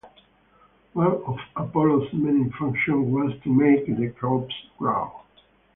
One of Apollo's many functions was to make the crops grow.